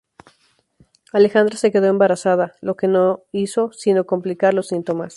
Alejandra se quedó embarazada, lo que no hizo sino complicar los síntomas.